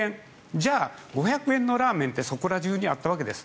じゃあ、５００円のラーメンってそこら中にあったわけです。